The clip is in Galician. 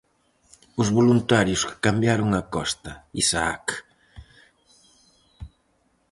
Os voluntarios que cambiaron a Costa: Isaac.